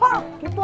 hah gitu apa